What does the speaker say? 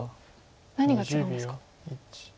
何が違うんですか。